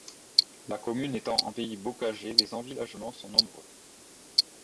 La commune étant en pays bocager, les envillagements sont nombreux.